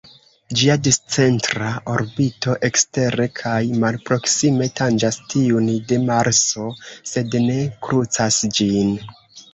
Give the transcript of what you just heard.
Ĝia discentra orbito ekstere kaj malproksime tanĝas tiun de Marso, sed ne krucas ĝin.